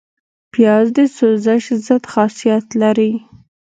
پیاز د سوزش ضد خاصیت لري